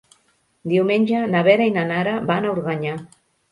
Diumenge na Vera i na Nara van a Organyà.